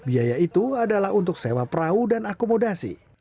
biaya itu adalah untuk sewa perahu dan akomodasi